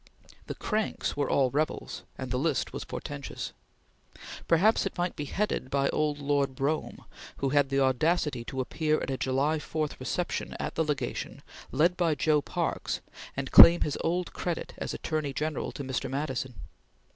The "cranks" were all rebels, and the list was portentous. Perhaps it might be headed by old Lord Brougham, who had the audacity to appear at a July 4th reception at the Legation, led by Joe Parkes, and claim his old credit as "Attorney General to Mr. Madison."